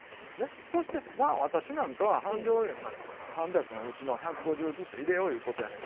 そして私なんかは半量３００のうちの１５０ずつ入れよういうことやねんけど。